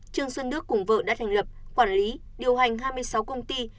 trương xuân đức cùng vợ đã thành lập quản lý điều hành hai mươi sáu công ty